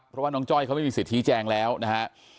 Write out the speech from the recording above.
เพราะว่าน้องจ้อยเขาไม่มีสิทธิแจงแล้วนะฮะ